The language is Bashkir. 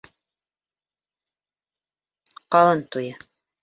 Ҡалын туйы